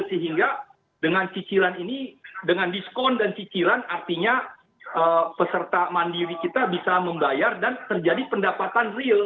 sehingga dengan cicilan ini dengan diskon dan cicilan artinya peserta mandiri kita bisa membayar dan terjadi pendapatan real